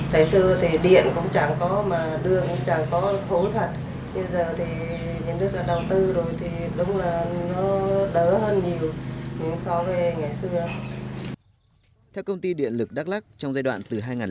chẳng có đường chẳng có khốn thật nhưng giờ thì những nước đã đầu tư rồi thì đúng là nó đỡ hơn nhiều so với ngày xưa